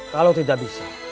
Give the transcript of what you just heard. kalau tidak bisa